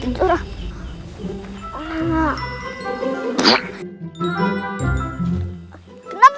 tidak ada apa apa